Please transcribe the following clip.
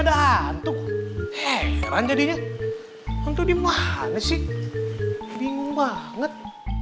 dantuk heran jadinya untuk dimulai sih bingung banget